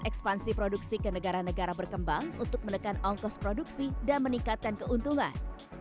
ekspansi produksi ke negara negara berkembang untuk menekan ongkos produksi dan meningkatkan keuntungan